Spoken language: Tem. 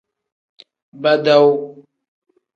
Badawu.